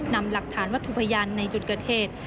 นำหลักฐานวัตถุพยานในจุดเกิดเหตุ